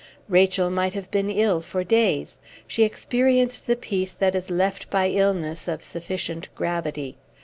Rachel might have been ill for days. She experienced the peace that is left by illness of sufficient gravity.